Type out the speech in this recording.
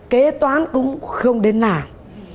kế toán cũng không đến làm